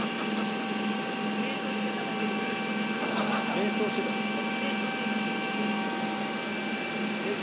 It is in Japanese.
瞑想してたんですか？